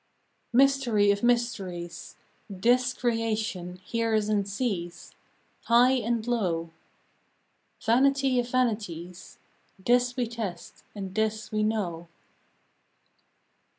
Mystery of mysteries; This creation hears and sees High and low — Vanity of vanities: This we test and this we know.